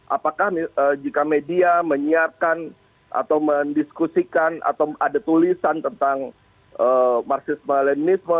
apakah jika media menyiarkan atau mendiskusikan atau ada tulisan tentang marxisme leninisme